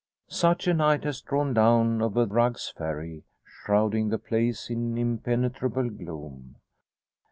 Such a night has drawn down over Rugg's Ferry, shrouding the place in impenetrable gloom.